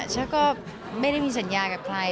ฉันก็ไม่ได้มีสัญญากับใคร